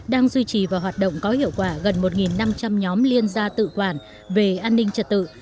đang duy trì và hoạt động có hiệu quả gần một năm trăm linh nhóm liên gia tự quản về an ninh trật tự